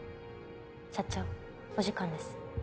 社長お時間です。